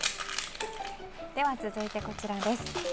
では続いて、こちらです。